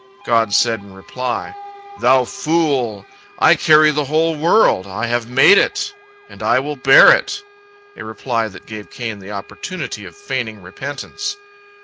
God said in reply: "Thou fool! I carry the whole world. I have made it, and I will bear it"—a reply that gave Cain the opportunity of feigning repentance.